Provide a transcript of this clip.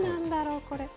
これ。